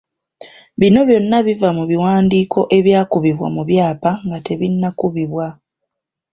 Bino byonna biva mu biwandiiko ebyakubibwa mu byapa nga tebinnakubibwa.